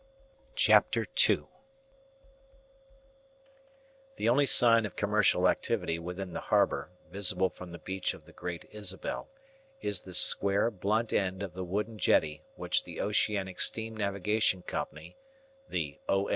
CHAPTER TWO The only sign of commercial activity within the harbour, visible from the beach of the Great Isabel, is the square blunt end of the wooden jetty which the Oceanic Steam Navigation Company (the O.